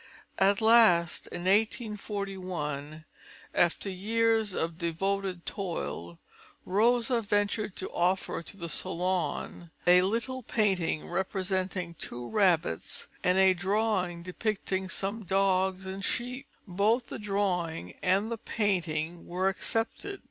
At last, in 1841, after years of devoted toil, Rosa ventured to offer to the Salon a little painting representing Two Rabbits and a drawing depicting some Dogs and Sheep. Both the drawing and the painting were accepted.